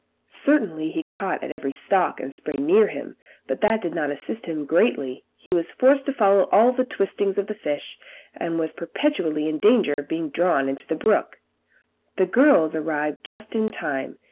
Certainly he caught at every stalk and spray near him, but that did not assist him greatly; he was forced to follow all the twistings of the fish, and was perpetually in danger of being drawn into the brook. The girls arrived just in time.